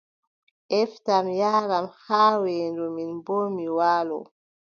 Eftam, yaaram haa weendu, min boo, mi waalo.